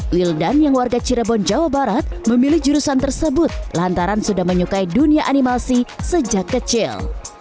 wildan yang warga cirebon jawa barat memilih jurusan tersebut lantaran sudah menyukai dunia animasi sejak kecil